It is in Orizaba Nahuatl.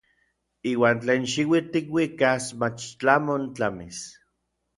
Iuan tlen xiuitl tikuikas mach tlamon tlamis.